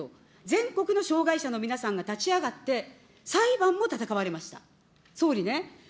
全国の障害者の皆さんが立ち上がって、裁判も戦われました。